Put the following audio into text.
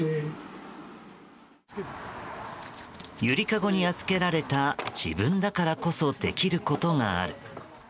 ゆりかごに預けられた自分だからこそできることがある。